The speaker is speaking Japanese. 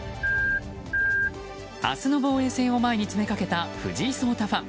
明日の防衛戦を前に詰めかけた藤井聡太ファン。